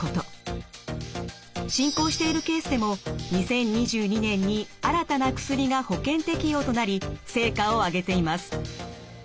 進行しているケースでも２０２２年に新たな薬が保険適用となり成果をあげています。